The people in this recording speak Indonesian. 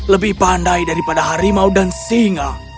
lebih pandai daripada harimau dan singa